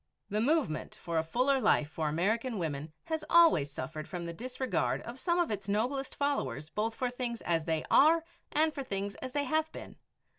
The movement for a fuller life for American women has always suffered from the disregard of some of its noblest followers, both for things as they are and for things as they have been.